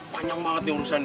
panjang banget nih urusan